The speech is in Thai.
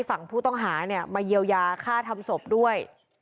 ฝั่งผู้ต้องหาเนี่ยมาเยียวยาฆ่าทำศพด้วย